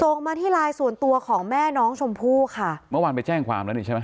มาที่ไลน์ส่วนตัวของแม่น้องชมพู่ค่ะเมื่อวานไปแจ้งความแล้วนี่ใช่ไหม